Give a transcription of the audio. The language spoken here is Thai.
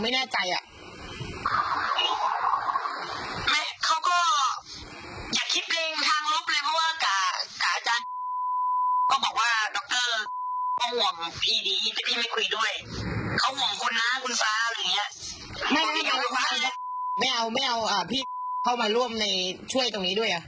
ไม่ตลอด